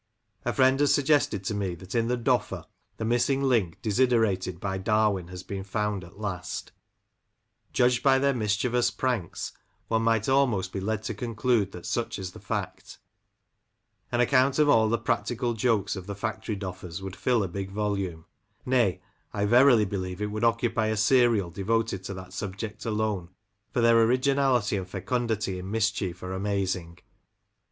A friend has suggested to me that in the DofTer the missing link desiderated by Darwin has been found at kot; 52 Lancashire Characters and Places, judged by their mischievous pranks, one might almost be led to conclude that such is the fact An account of all the practical jokes of the Factory Doffers would fill a big volume; nay, I verily believe it would occupy a serial devoted to that subject alone, for their originality and fecundity in mischief are amazing.